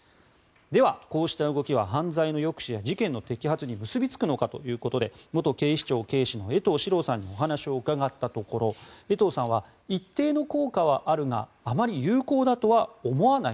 では、こうした動きは犯罪の抑止や事件の抑止に結びつくのかということで元警視庁警視の江藤史朗さんにお話を伺ったところ江藤さんは一定の効果はあるがあまり有効だとは思わない。